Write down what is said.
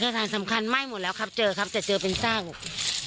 เอกสารสำคัญไม่หมดแล้วครับเจอครับแต่เจอเป็นสร้างครับ